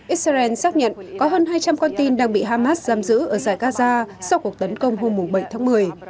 israel xác nhận có hơn hai trăm linh con tin đang bị hamas giam giữ ở giải gaza sau cuộc tấn công hôm bảy tháng một mươi